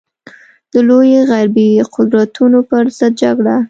د لویو غربي قدرتونو پر ضد جګړه.